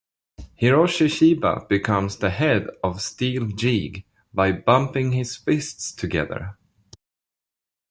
Hiroshi Shiba becomes the head of Steel Jeeg by bumping his fists together.